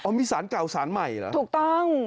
มีสารเก่าสารใหม่เหรอถูกต้อง